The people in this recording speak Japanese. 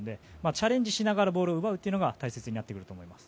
チャレンジしながらボールを奪うのが大切になってくると思います。